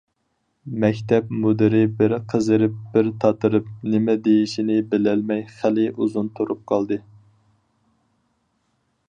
مەكتەپ مۇدىرى بىر قىزىرىپ، بىر تاتىرىپ نېمە دېيىشىنى بىلەلمەي خېلى ئۇزۇن تۇرۇپ قالدى.